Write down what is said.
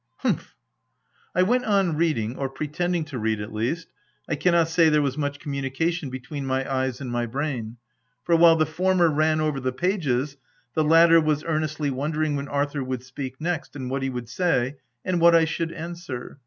"Humph!" I went on reading — or pretending to read, at least — I cannot say there was much communi cation between my eyes and my brain ; for, while the former ran over the pages, the latter was earnestly wondering when Arthur w T ould speak next, and what he w r ould say, and what I should answer.